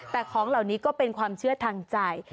แต่ของเหล่านี้ก็เป็นความเชื่อทางใจ